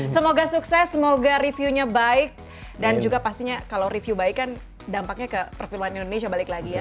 semoga sukses semoga reviewnya baik dan juga pastinya kalau review baik kan dampaknya ke perfilman indonesia balik lagi ya